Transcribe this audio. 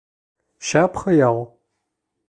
Шәп хыял.